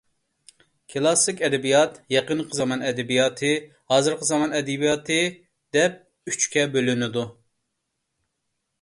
كلاسسىك ئەدەبىيات، يېقىنقى زامان ئەدەبىياتى، ھازىرقى زامان ئەدەبىياتى دەپ ئۆچكە بۆلۈنىدۇ.